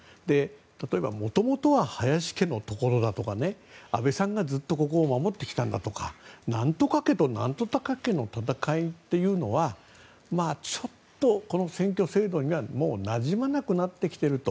例えば、もともとは林家のところだとか安倍さんがずっとここを守ってきたとか何とか家と何とか家の戦いというのはちょっと、この選挙制度にはなじまなくなってきていると。